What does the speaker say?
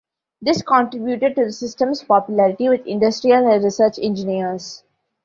This contributed to the system's popularity with industrial and research engineers.